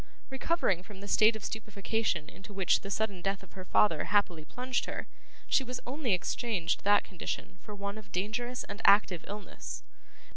Recovering from the state of stupefaction into which the sudden death of her father happily plunged her, she only exchanged that condition for one of dangerous and active illness.